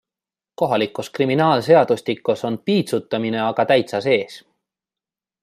Kohalikus kriminaalseadustikus on piitsutamine aga täitsa sees.